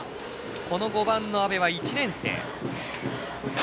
この５番の阿部は１年生。